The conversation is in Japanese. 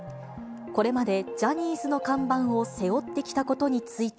これまでジャニーズの看板を背負ってきたことについて。